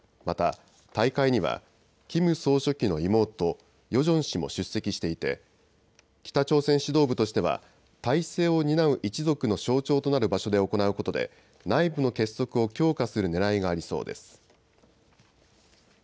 また、大会にはキム総書記の妹、ヨジョン氏も出席していて北朝鮮指導部としては体制を担う一族の象徴となる場所で行うことで内部の結束を強化するねらいがありそうです。